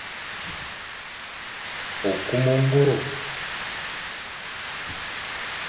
Okum ongoro.